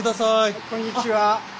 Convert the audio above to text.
あっこんにちは。